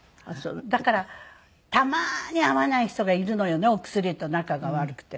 だからたまに合わない人がいるのよねお薬と仲が悪くて。